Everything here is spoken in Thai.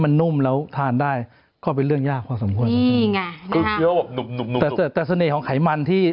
มันนุ่มแล้วทานได้ก็เป็นเรื่องยากพอสมควรนี่ไงนะครับแต่เสน่ห์ของไขมันที่